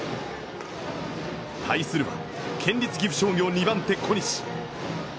対するは、県立岐阜商業２番手、小西。